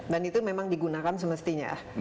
dan itu memang digunakan semestinya